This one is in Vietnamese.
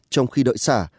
trong khi đợi xả